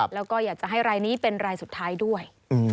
แล้วก็อยากจะให้รายนี้เป็นรายสุดท้ายด้วย